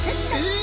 え！